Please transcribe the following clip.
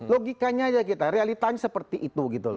logikanya kita realitanya seperti itu